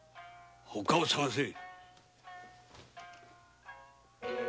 外を探せ！